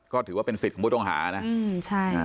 ก็ถือว่าเป็นสิทธิ์ของผู้ต้องหานะ